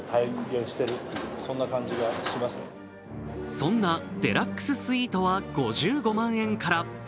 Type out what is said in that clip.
そんなデラックススイートは５５万円から。